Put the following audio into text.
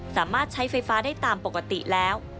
สามารถใช้ไฟฟ้าได้ตามปกติแล้ว